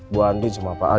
bu andi sama pak al